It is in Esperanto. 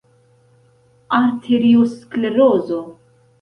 Arteriosklerozo.